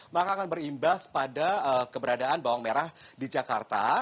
maka akan berimbas pada keberadaan bawang merah di jakarta